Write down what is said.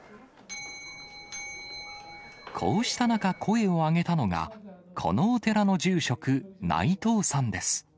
こうした中、声を上げたのが、このお寺の住職、内藤さんです。